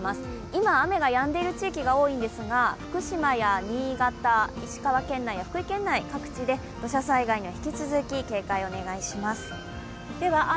今雨がやんでいる地域が多いんですが、福島や新潟、石和県内や福井県内、各地で土砂災害には引き続き警戒をお願いします。